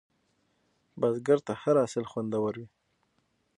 بزګر ته هره حاصل خوندور وي